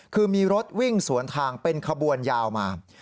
คือมีรถวิ่งสวนทางเป็นขบวนยาวมา